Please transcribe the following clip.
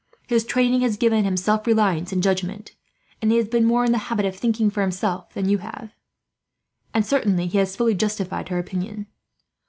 His training has given him self reliance and judgment, and he has been more in the habit of thinking for himself than you have,' and certainly he has fully justified her opinion.